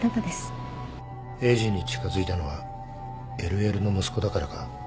エイジに近づいたのは ＬＬ の息子だからか